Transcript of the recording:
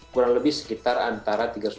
kurang lebih sekitar antara tiga ratus lima puluh